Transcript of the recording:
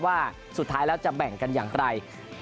ว่าสุดท้ายแล้วจะแบ่งกันอย่างไร